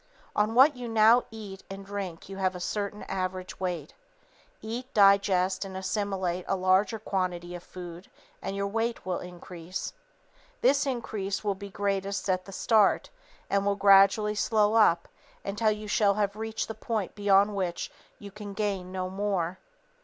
On what you now eat and drink you have a certain average weight. Eat, digest and assimilate a larger quantity of food and your weight will increase. This increase will be greatest at the start and will gradually slow up until you shall have reached the point beyond which you can gain no more.